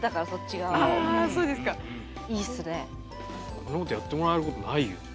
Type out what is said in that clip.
こんなことやってもらえることないよ。